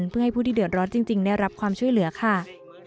เพื่อให้ผู้ที่เดือดร้อนจริงได้รับความช่วยเหลือค่ะ